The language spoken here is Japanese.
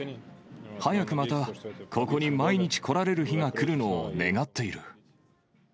早くまたここに毎日来られる日が来るのを願っている。